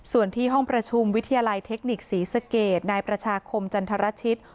ส่วนที่ห้องประชุมวิทยาลัยเทคนิคศรีสเกตนายประชาคมจันทรชิต